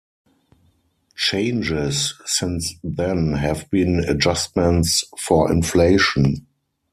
Changes since then have been adjustments for inflation.